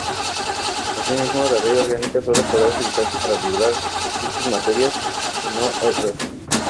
Asimismo, la Ley Orgánica sólo podrá utilizarse para regular dichas materias, y no otras.